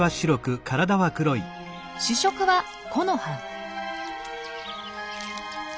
主食は木の葉。